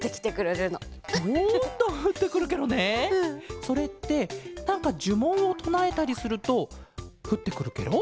それってなんかじゅもんをとなえたりするとふってくるケロ？